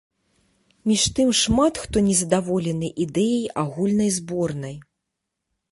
Між тым шмат хто незадаволены ідэяй агульнай зборнай.